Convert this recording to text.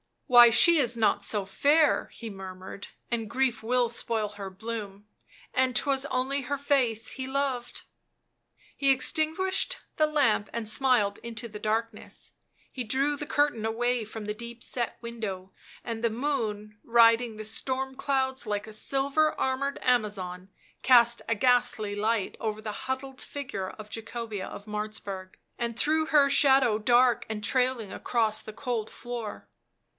" Why, she is not so fair," he murmured, " and grief will spoil her bloom, and 'twas only her face he loved." He extinguished the lamp and smiled into the darkness. He drew the curtain away from the deep set window, and the moon, riding the storm clouds like a silver armoured Amazon, cast a ghastly light over the huddled figure of Jacobea of Martzburg, and threw her shadow dark and trailing across the cold floor.